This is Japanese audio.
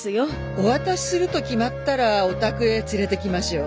お渡しすると決まったらおたくへ連れてきましょう。